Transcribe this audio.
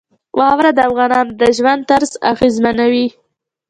واوره د افغانانو د ژوند طرز اغېزمنوي.